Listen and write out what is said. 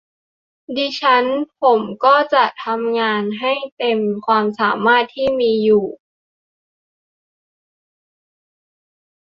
ดิฉันผมก็จะทำงานให้เต็มความสามารถที่มีอยู่